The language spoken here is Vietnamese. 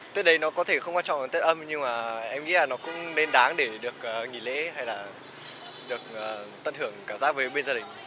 tết đấy nó có thể không quan trọng là tết âm nhưng mà em nghĩ là nó cũng nên đáng để được nghỉ lễ hay là được tận hưởng cảm giác với bên gia đình